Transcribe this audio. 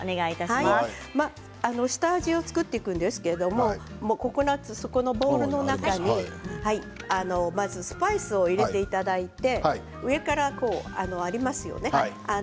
まず下味を作っていくんですけれどもココナッツ、そこのボウルの中にまずスパイスを入れていただいて上から、ありますよね。